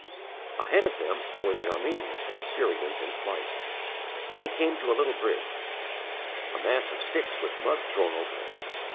Ahead of them were the Armenians and Syrians in flight. They came to a little bridge a mass of sticks with mud thrown over them.